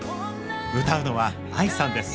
歌うのはＡＩさんです